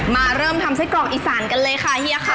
เริ่มทำไส้กรอกอีสานกันเลยค่ะเฮียค่ะ